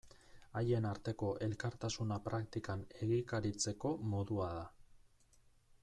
Haien arteko elkartasuna praktikan egikaritzeko modua da.